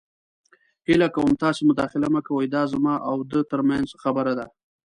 هیله کوم تاسې مداخله مه کوئ. دا زما او ده تر منځ خبره ده.